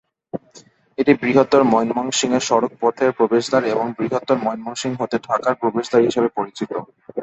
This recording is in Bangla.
এটি বৃহত্তর ময়মনসিংহের সড়ক পথের প্রবেশদ্বার এবং বৃহত্তর ময়মনসিংহ হতে ঢাকার প্রবেশদ্বার হিসেবে পরিচিত।